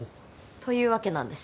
というわけなんです。